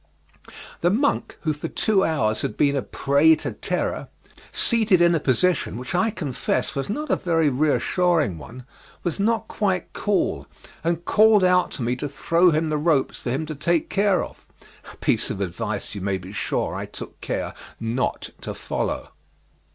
The monk who for two hours had been a prey to terror; seated in a position which I confess was not a very reassuring one, was not quite cool, and called out to me to throw him the ropes for him to take care of a piece of advice you may be sure I took care not to follow.